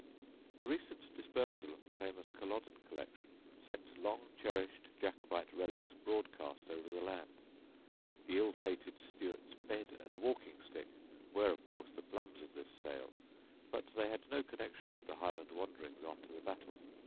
The recent dispersal of the famous Culloden collection sent long cherished Jacobite relics broadcast over the land. The ill fated Stuart's bed and walking stick were of course the plums of this sale; but they had no connection with the Highland wanderings after the battle.